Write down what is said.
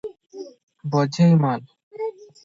ବୋଝେଇ ମାଲ?